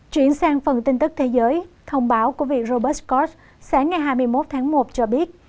chuyển sang phần tin tức thế giới thông báo của việc robus cort sáng ngày hai mươi một tháng một cho biết